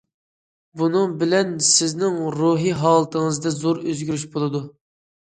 بۇنىڭ بىلەن سىزنىڭ روھىي ھالىتىڭىزدە زور ئۆزگىرىش بولىدۇ.